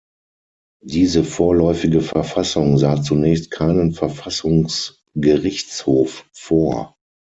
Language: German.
Diese Vorläufige Verfassung sah zunächst keinen Verfassungsgerichtshof vor.